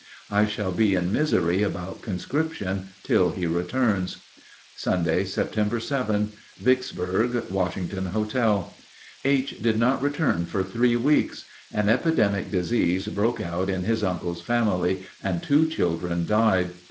I shall be in misery about conscription till he returns. Sunday, Sept. 7. (Vicksburg, Washington Hotel.) H. did not return for three weeks. An epidemic disease broke out in his uncle's family and two children died.